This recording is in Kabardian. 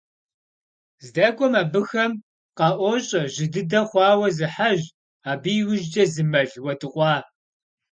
ЗдэкӀуэм абыхэм къаӀуощӀэ жьы дыдэ хъуауэ зы хьэжь, абы и ужькӀэ зы мэл уэдыкъуа.